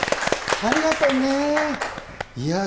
ありがとうね。